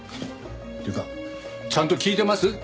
っていうかちゃんと聞いてます？